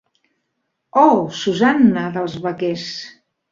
"Oh, Susanna!" dels vaquers.